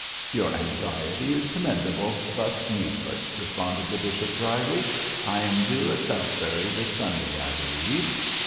'Your anxiety is commendable, but needless,' responded the bishop, dryly. 'I am due at Southberry this Sunday, I believe.'